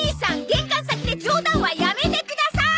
玄関先で冗談はやめてください！